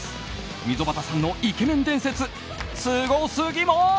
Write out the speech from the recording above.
溝端さんのイケメン伝説すごすぎます！